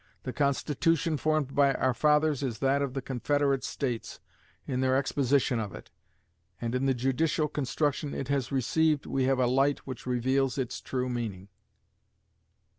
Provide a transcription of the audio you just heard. The Constitution formed by our fathers is that of the Confederate States, in their exposition of it; and, in the judicial construction it has received, we have a light which reveals its true meaning.